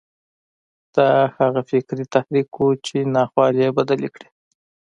دا هغه فکري تحرک و چې ناخوالې يې بدلې کړې.